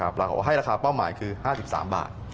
ปรากฏว่าให้ราคาเป้าหมายคือ๕๓บาท